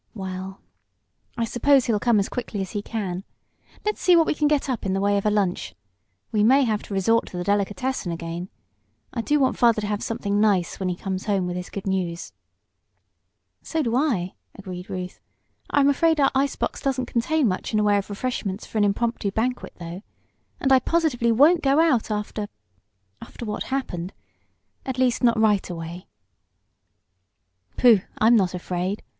"Well, I suppose he'll come as quickly as he can. Let's see what we can get up in the way of a lunch. We may have to resort to the delicatessen again. I do want father to have something nice when he comes home with his good news." "So do I," agreed Ruth. "I'm afraid our ice box doesn't contain much in the way of refreshments for an impromptu banquet, though, and I positively won't go out after after what happened. At least not right away!" "Pooh, I'm not afraid!"